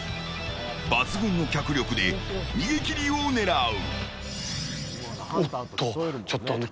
抜群の脚力で逃げ切りを狙う。